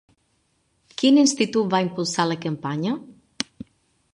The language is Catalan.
Quin institut va impulsar la campanya?